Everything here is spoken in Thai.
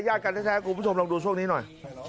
กันแท้คุณผู้ชมลองดูช่วงนี้หน่อย